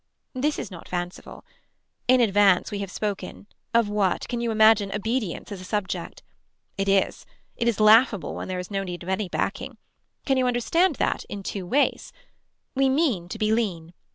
This is not fanciful. In advance we have spoken, of what, can you imagine obedience as a subject. It is. It is laughable when there is no need of any backing. Can you understand that in two ways. We mean to be lean.